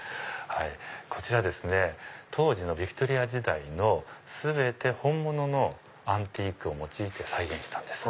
こちらですね当時のヴィクトリア時代の全て本物のアンティークを用いて再現したんです。